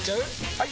・はい！